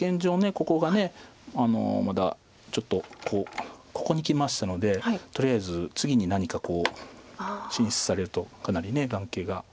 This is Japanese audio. ここがまだちょっとこうここにきましたのでとりあえず次に何かこう進出されるとかなり眼形が。